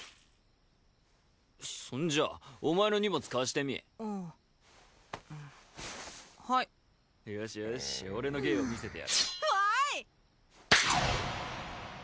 そんじゃお前の荷物貸してみはいよしよし俺の芸を見せてやるわい！